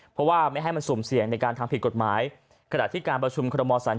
เพราะว่าไม่ให้มันสุ่มเสี่ยงในการทางผิดกฎหมาย